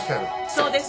そうです。